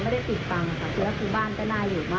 เลือกที่จะไม่บอกหนูเพราะว่าถ้าหนูรู้คือ